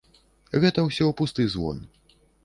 Гэта ўсё пусты звон.